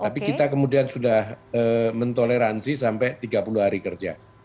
jadi kita kemudian sudah mentoleransi sampai tiga puluh hari kerja